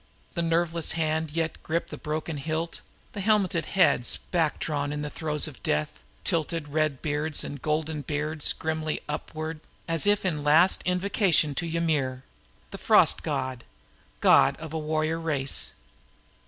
The nerveless hand yet gripped the broken hilt; helmeted heads, back drawn in the death throes, tilted red beards and golden beards grimly upward, as if in last invocation to Ymir the frost giant.